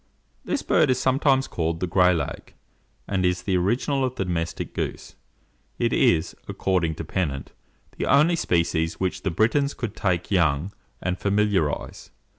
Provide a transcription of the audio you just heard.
This bird is sometimes called the "Gray lag" and is the original of the domestic goose. It is, according to Pennant, the only species which the Britons could take young, and familiarize.